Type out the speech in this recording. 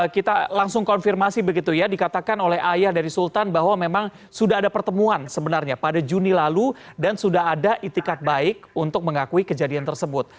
kita langsung konfirmasi begitu ya dikatakan oleh ayah dari sultan bahwa memang sudah ada pertemuan sebenarnya pada juni lalu dan sudah ada itikat baik untuk mengakui kejadian tersebut